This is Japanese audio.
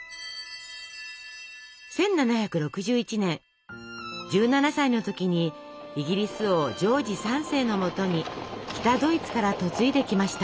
１７６１年１７歳の時にイギリス王ジョージ３世のもとに北ドイツから嫁いできました。